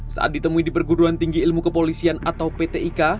saat ditemui di perguruan tinggi ilmu kepolisian atau pt ika